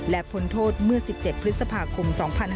และพ้นโทษเมื่อ๑๗พฤษภาคม๒๕๕๙